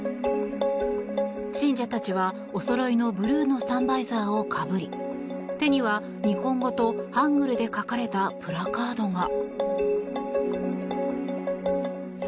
信者たちはおそろいのブルーのサンバイザーをかぶり手には日本語とハングルで書かれたプラカードが。